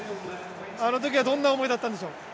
あのときはどんな思いだったんでしょう。